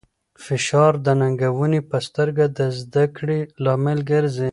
فشار د ننګونې په سترګه د زده کړې لامل ګرځي.